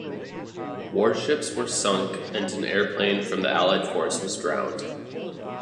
War ships were sunk and an airplane from the Allied Force was drowned.